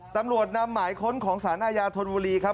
ตำรวจนำหมายค้นของสารอาญาธนบุรีครับ